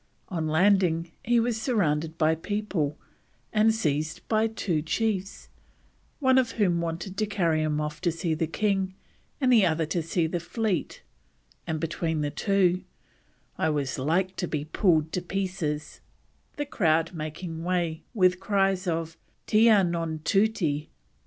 On landing, he was surrounded by people, and seized by two chiefs, one of whom wanted to carry him off to see the king, and the other to see the fleet, and between the two, "I was like to be pulled to pieces," the crowd making way with cries of "Tiya no Tootee."